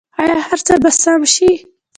آیا هر څه به سم شي؟